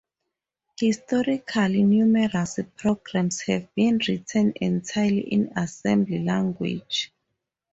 Historically, numerous programs have been written entirely in assembly language.